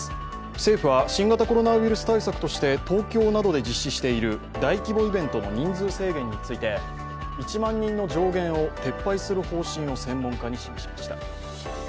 政府は新型コロナウイルス対策として東京などで実施している大規模イベントの人数制限について、１万人の上限を撤廃する方針を専門家に示しました。